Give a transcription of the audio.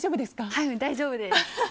はい、大丈夫です。